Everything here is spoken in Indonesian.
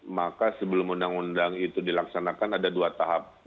maka sebelum undang undang itu dilaksanakan ada dua tahap